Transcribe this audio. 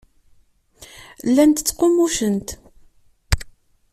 Llant ttqummucent.